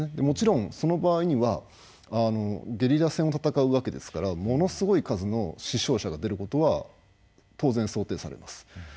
もちろんその場合にはゲリラ戦を戦うわけですからものすごい数の死傷者が出ることは当然想定されます。